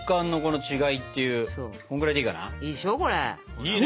いいね！